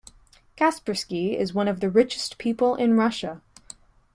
Kaspersky is one of the richest people in Russia.